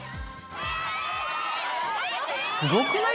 すごくない？